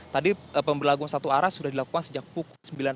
tadi pembelaguan satu arah sudah dilakukan sejak pukul